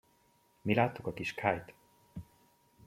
Mi láttuk a kis Kayt!